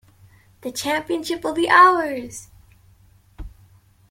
The championship will be ours!